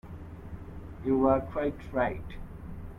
You are quite right.